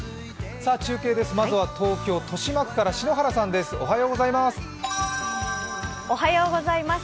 中継です、まずは東京・豊島区から篠原さんです。